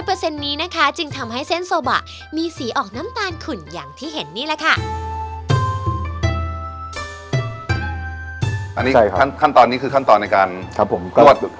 อันนี้ขั้นตอนนี้คือขั้นตอนในการนวด